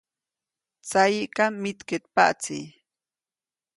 Tsayiʼkam mitkeʼtpaʼtsi.